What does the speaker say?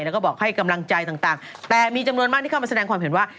แล้วก็บอกให้กำลังใจต่างแต่มีจำนวนมากที่เข้ามาแสดงความเห็นว่า